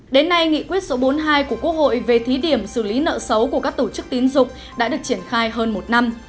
đến nay nghị quyết số bốn mươi hai của quốc hội về thí điểm xử lý nợ xấu của các tổ chức tín dụng đã được triển khai hơn một năm